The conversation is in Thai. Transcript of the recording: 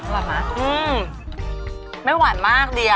อร่อยมากอืมไม่หวานมากดีอ่ะ